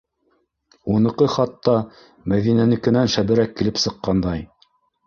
Уныҡы хатта Мәҙинәнекенән шәберәк килеп сыҡҡандай.